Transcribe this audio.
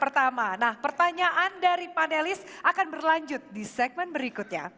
pertama nah pertanyaan dari panelis akan berlanjut di segmen berikutnya